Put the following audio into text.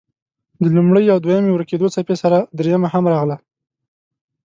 د لومړۍ او دویمې ورکېدو څپې سره دريمه هم راغله.